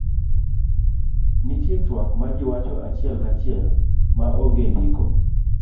nitie twak majiwacho achiel kachiel ma onge ndiko